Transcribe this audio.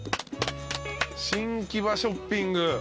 新木場ショッピング。